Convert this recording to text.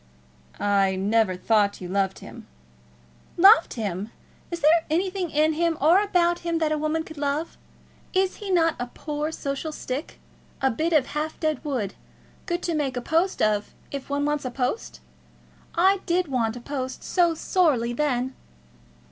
"I never thought you loved him." "Loved him! Is there anything in him or about him that a woman could love? Is he not a poor social stick; a bit of half dead wood, good to make a post of, if one wants a post? I did want a post so sorely then!"